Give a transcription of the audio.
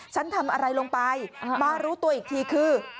ฉันทำอะไรลงไปมารู้ตัวอีกทีคือ